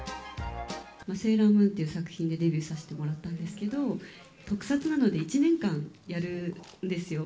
セーラームーンっていう作品でデビューさせてもらったんですけど、特撮なので１年間やるんですよ。